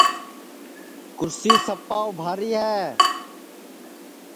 کُرسی سپا اُبھاری ہے